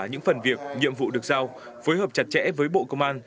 những phần việc nhiệm vụ được giao phối hợp chặt chẽ với bộ công an